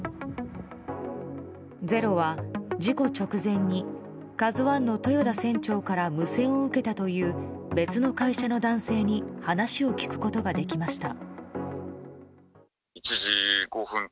「ｚｅｒｏ」は事故直前に「ＫＡＺＵ１」の豊田船長から無線を受けたという別の会社の男性に話を聞くことができました。